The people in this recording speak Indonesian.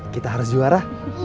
kita harus juara